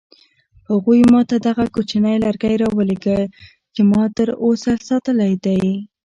هغوی ما ته دغه کوچنی لرګی راولېږه چې ما تر اوسه ساتلی دی.